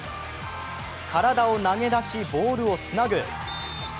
体を投げ出し、ボールをつなぐ。